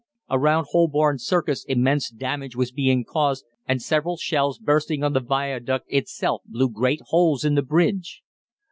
Around Holborn Circus immense damage was being caused, and several shells bursting on the Viaduct itself blew great holes in the bridge.